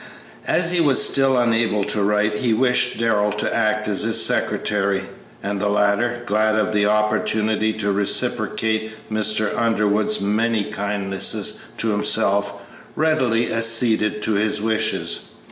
As he was still unable to write, he wished Darrell to act as his secretary, and the latter, glad of an opportunity to reciprocate Mr. Underwood's many kindnesses to himself, readily acceded to his wishes.